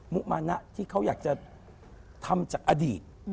มุมานะที่เขาอยากจะทำจากอดีต